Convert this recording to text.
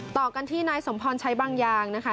ต่อกันที่นายสมพรใช้บางอย่างนะคะ